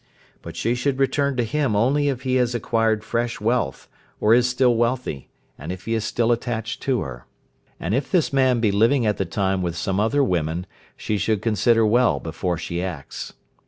But she should return to him only if he has acquired fresh wealth, or is still wealthy, and if he is still attached to her. And if this man be living at the time with some other women she should consider well before she acts.